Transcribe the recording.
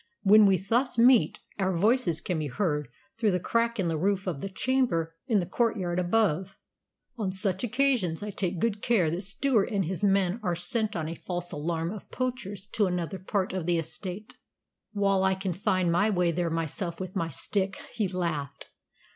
When we thus meet, our voices can be heard through the crack in the roof of the chamber in the courtyard above. On such occasions I take good care that Stewart and his men are sent on a false alarm of poachers to another part of the estate, while I can find my way there myself with my stick," he laughed.